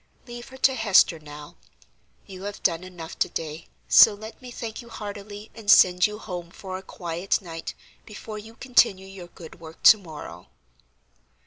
Leave her to Hester, now; you have done enough to day, so let me thank you heartily, and send you home for a quiet night before you continue your good work to morrow."